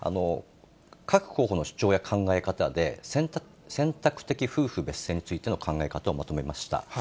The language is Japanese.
各候補の主張や考え方で、選択的夫婦別姓についての考え方をまとめました。